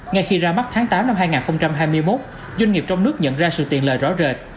ngay khi ra mắt tháng tám năm hai nghìn hai mươi một doanh nghiệp trong nước nhận ra sự tiện lợi rõ rệt